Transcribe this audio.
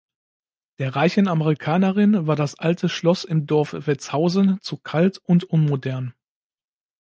Der reichen Amerikanerin war das alte Schloss im Dorf Wetzhausen zu kalt und unmodern.